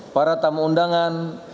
para tamu undangan